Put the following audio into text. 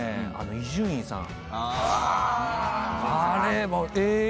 伊集院さん。